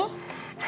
iya pak mimi